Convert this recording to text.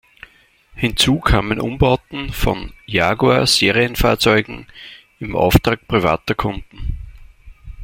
Hinzu kamen Umbauten von "Jaguar"-Serienfahrzeugen im Auftrag privater Kunden.